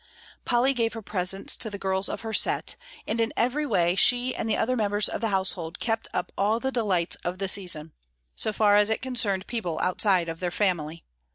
Polly gave her presents to the girls of her set, and in every way she and the other members of the household kept up all the delights of the season, so far as it concerned people outside of their family.